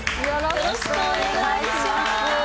よろしくお願いします。